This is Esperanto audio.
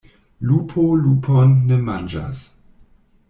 Lupo lupon ne manĝas.